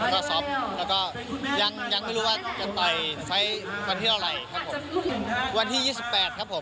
แล้วก็ยังไม่รู้ว่ามันการไถ่สายวันที่มันอะไรครับผมวันที่๒๘ครับผม